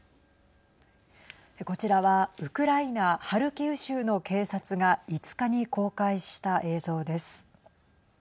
こちらはウクライナ、ハルキウ州の警察が５日に公開した映像です。